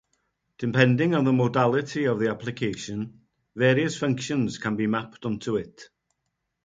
Depending on the modality of the application, various functions can be mapped onto it.